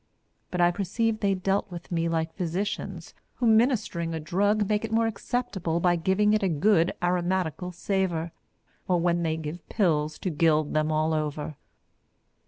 But I perceive they dealt with me like physicians who, ministering a drug, make it more acceptable by giving it a good aromatical savour, or when they give pills do gild them all over.